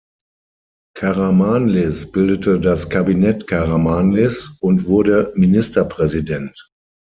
Karamanlis bildete das Kabinett Karamanlis und wurde Ministerpräsident.